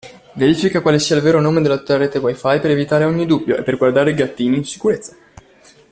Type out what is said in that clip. Verifica quale sia il vero nome della rete WiFi per evitare ogni dubbio e per guardare gattini in sicurezza!